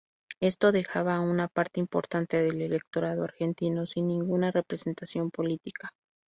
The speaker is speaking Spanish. Esto dejaba a una parte importante del electorado argentino sin ninguna representación política.